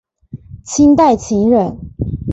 清代琴人。